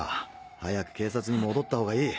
早く警察に戻ったほうがいい。